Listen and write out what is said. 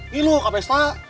nih lu kak pesta